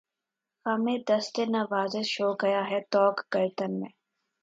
خمِ دستِ نوازش ہو گیا ہے طوق گردن میں